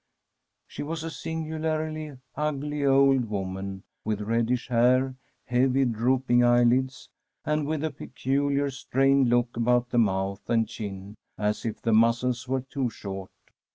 She was a singularly ugly old woman, with reddish hair, heavy drooping eye [ 293 ] Frm a SfFSDISH HOMESTEAD lids, and with a peculiar strained look about the mouth and chin, as if the muscles were too short.